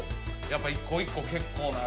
やっぱ一個一個結構な。